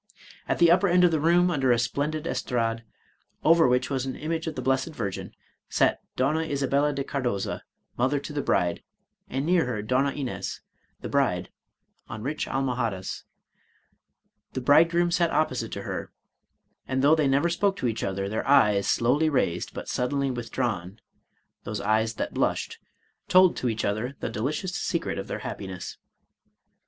At the upper end of the room, under a splendid estrade, over which was an image of the blessed Virgin, sat Donna Isa bella de Cardoza, mother to the bride, and near her Donna Ines, the bride, on rich almohadas ; the bridegroom sat op posite to her, and though they never spoke to each other, their eyes, slowly raised, but suddenly withdrawn (those eyes that blushed), told to each other the delicious secret of their happiness.